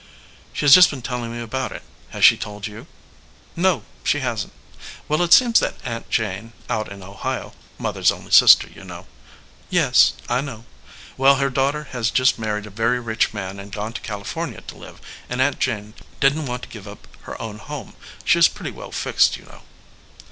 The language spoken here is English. "She has just been telling me about it. Has she told you?" "No, she hasn t." "Well, it seems that Aunt Jane, out in Ohio Mother s only sister, you know " "Yes, I know." "Well, her daughter has just married a very rich man and gone to California to live, and Aunt Jane didn t want to give up her own home. She is pretty well fixed, you know."